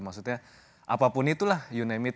maksudnya apapun itulah you name it